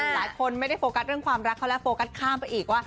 หลายคนไม่ได้โฟกัสเรื่องความรักเขาแล้วโฟกัสข้ามไปอีกว่า